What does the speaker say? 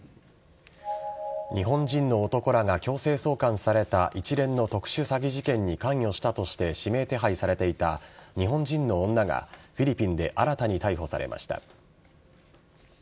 日本人の男らが強制送還された一連の特殊詐欺事件に関与したとして指名手配されていた日本時間の今日フィリピンで新たに逮捕されました。